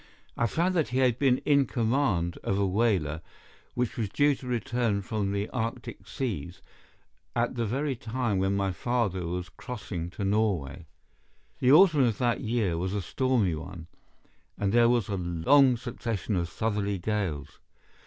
I found that he had been in command of a whaler which was due to return from the Arctic seas at the very time when my father was crossing to Norway. The autumn of that year was a stormy one, and there was a long succession of southerly gales.